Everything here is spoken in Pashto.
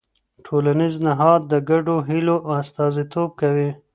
ټولنیز نهاد د ګډو هيلو استازیتوب کوي.